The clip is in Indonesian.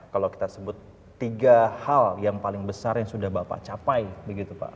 kalau kita sebut tiga hal yang paling besar yang sudah bapak capai begitu pak